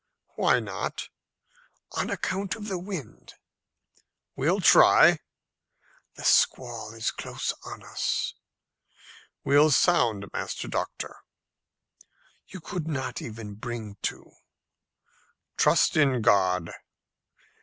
"Why not?" "On account of the wind." "We'll try." "The squall is close on us." "We'll sound, Master Doctor." "You could not even bring to." "Trust in God."